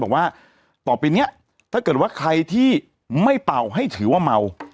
บอกว่าต่อไปเนี่ยถ้าเกิดว่าใครที่ไม่เป่าให้ถือว่าเมา